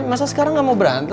masa sekarang nggak mau berantem